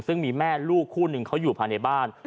ซึ่งมีแม่ลูกคู่หนึ่งเขาอยู่ภายในบ้าน